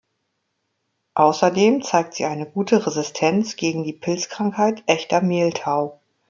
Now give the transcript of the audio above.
Außerdem zeigt sie eine gute Resistenz gegen die Pilzkrankheit Echter Mehltau.